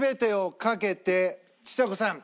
ちさ子さん。